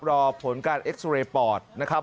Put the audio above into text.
รอผลการเอ็กซอเรย์ปอดนะครับ